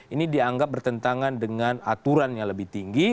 ini dianggap bertentangan dengan aturan yang lebih tinggi